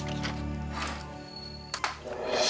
aku mau pulang